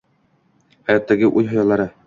hayotdagi o’y-hayollari